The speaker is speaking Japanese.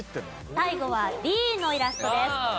最後はＤのイラストです。